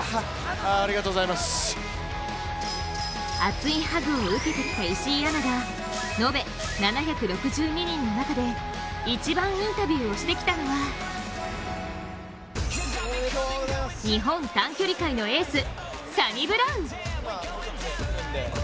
熱いハグを受けてきた石井アナが延べ７６２人の中で一番インタビューをしてきたのは日本短距離界のエースサニブラウン。